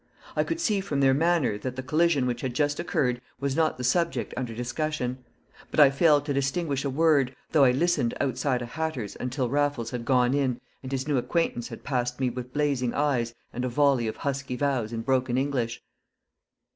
I could see from their manner that the collision which had just occurred was not the subject under discussion; but I failed to distinguish a word, though I listened outside a hatter's until Raffles had gone in and his new acquaintance had passed me with blazing eyes and a volley of husky vows in broken English.